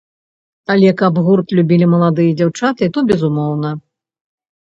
Але каб гурт любілі маладыя дзяўчаты, то, безумоўна.